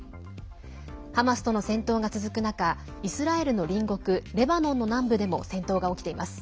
ハマスとの戦闘が続く中イスラエルの隣国レバノンの南部でも戦闘が起きています。